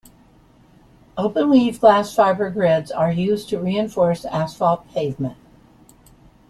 Open-weave glass fiber grids are used to reinforce asphalt pavement.